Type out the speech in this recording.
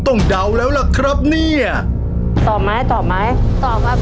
ตัวเลือกที่๒ออมประหยัดครับ